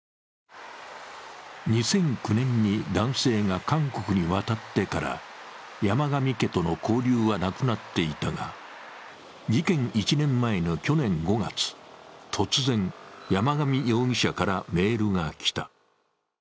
２００９年に男性が韓国に渡ってから山上家との交流はなくなっていたが事件１年前の去年５月、突然山上容疑者からメールが来た。